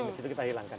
di situ kita hilangkan